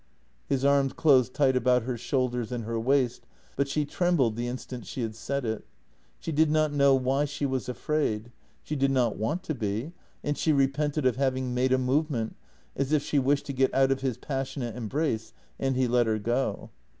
" His arms closed tight about her shoulders and her waist, but she trembled the instant she had said it. She did not know why she was afraid; she did not want to be, and she repented of having made a movement, as if she wished to get out of his passionate embrace, and he let her go.